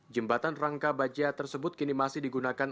jembatan rangka baja tersebut kini masih digunakan